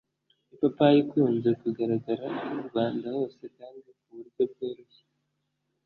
ipapayi ikunze kugaragara mu Rwanda hose kandi ku buryo bworoshye